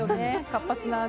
活発な味。